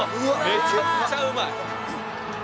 めちゃくちゃうまい。